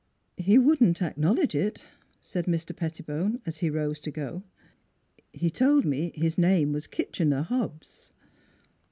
" He wouldn't acknowledge it," said Mr. Petti bone, as he rose to go. " He told me his name was Kitchener Hobbs."